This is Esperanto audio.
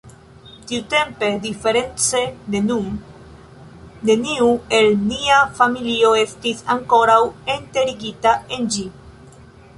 Tiutempe diference de nun, neniu el nia familio estis ankoraŭ enterigita en ĝi.